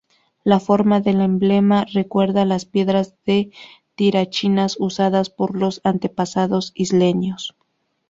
La forma del emblema recuerda las piedras de tirachinas usadas por los antepasados isleños.